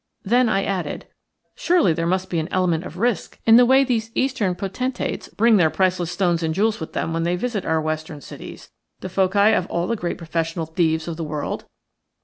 Then I added, "Surely there must be an element of risk in the way these Eastern potentates bring their priceless stones and jewels with them when they visit our Western cities, the foci of all the great professional thieves of the world?"